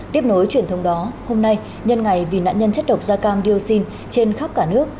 tiếp nối truyền thông đó hôm nay nhân ngày vì nạn nhân chất độc da cam dioxin trên khắp cả nước